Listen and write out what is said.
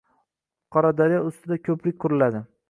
Qoradaryo ustida ko‘prik quriladi